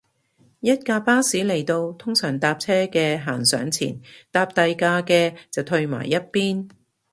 一架巴士嚟到，通常搭車嘅行上前，搭第架嘅就褪埋一邊